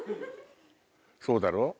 そうだろう？